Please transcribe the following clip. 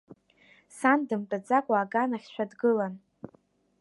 Сан дымтәаӡакәа аганахьшәа дгылан.